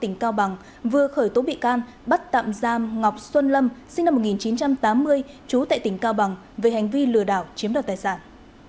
tỉnh cao bằng vừa khởi tố bị can bắt tạm giam ngọc xuân lâm sinh năm một nghìn chín trăm tám mươi trú tại tỉnh cao bằng về hành vi lừa đảo chiếm đoạt tài sản